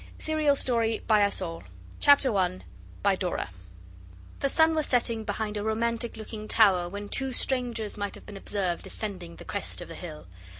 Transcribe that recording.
SERIAL STORY BY US ALL CHAPTER I by Dora The sun was setting behind a romantic looking tower when two strangers might have been observed descending the crest of the hill.